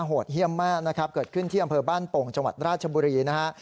โหดเยี่ยมมากนะครับเกิดขึ้นที่อำเภอบ้านโป่งจังหวัดราชบุรีนะฮะ